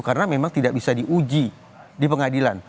karena memang tidak bisa diuji di pengadilan